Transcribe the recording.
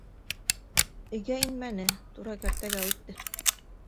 Өйгә инмәне, тура кәртәгә үтте.